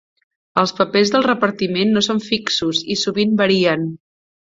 Els papers del repartiment no són fixos i sovint varien.